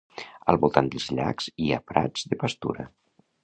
Al voltant dels llacs hi ha prats de pastura.